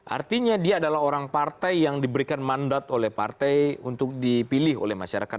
artinya dia adalah orang partai yang diberikan mandat oleh partai untuk dipilih oleh masyarakat